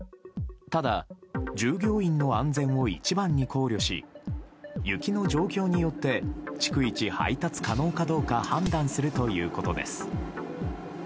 ただ、従業員の安全を一番に考慮し、雪の状況によって、逐一、配達可能かどうか判断するということです。